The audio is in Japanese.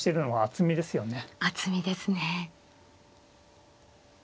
厚みですね。